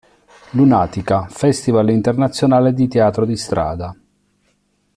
Lunathica-Festival Internazionale di Teatro di Strada